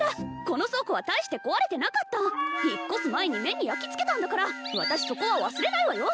この倉庫は大して壊れてなかった引っ越す前に目に焼き付けたんだから私そこは忘れないわよ！